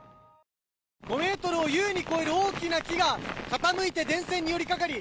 ５ｍを優に超える大きな木が傾いて電線に寄りかかり